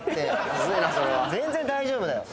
全然大丈夫だよ。